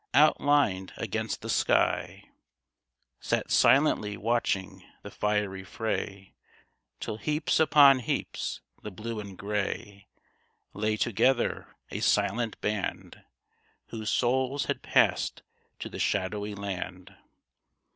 Outlined against the sky ; Sat silently watching the fiery fray Till, heaps upon heaps, the Blue and Gray Lay together, a silent band, Whose souls had passed to the shadowy land.